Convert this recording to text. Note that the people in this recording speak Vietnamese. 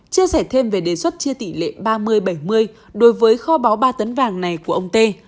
chia sẻ thêm về đề xuất chia tỷ lệ ba mươi bảy mươi đối với kho báo ba tấn vàng này của ông tê